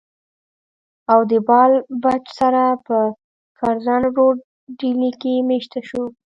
او د بال بچ سره پۀ کرزن روډ ډيلي کښې ميشته شو